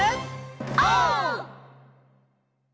オー！